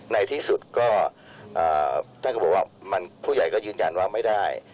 ในที่สุดก็ท่านก็บอกว่าผู้ใหญ่ก็ยืนยันว่าไม่ได้